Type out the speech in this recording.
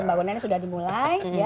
pembangunannya sudah dimulai